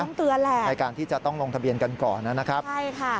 เตือนแหละในการที่จะต้องลงทะเบียนกันก่อนนะครับใช่ค่ะ